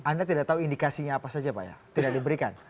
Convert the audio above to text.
anda tidak tahu indikasinya apa saja pak ya tidak diberikan